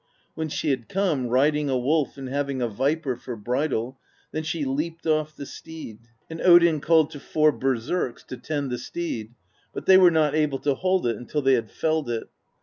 When she had come, riding a wolf and having a viper for bridle, then she leaped ofFthe steed; and Odin called to four berserks to tend the steed; but they were not able to hold it until they had felled it.